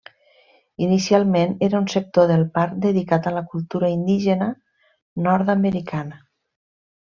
Inicialment era un sector del parc dedicat a la cultura indígena nord-americana.